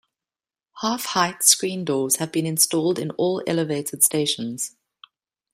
Half-height screen doors have been installed in all elevated stations.